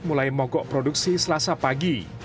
mulai mogok produksi selasa pagi